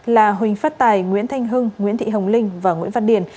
là huỳnh phát tài nguyễn thanh hưng nguyễn thị hồng linh và nguyễn văn điền